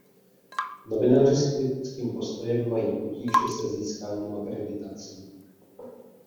Novináři s kritickým postojem mají potíže se získáním akreditací.